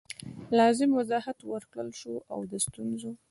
لازم وضاحت ورکړل سو او د ستونزو